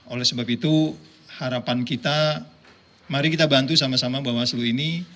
oleh sebab itu harapan kita mari kita bantu sama sama bawaslu ini